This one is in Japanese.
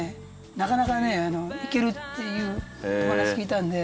なかなかねいけるっていうお話聞いたんで。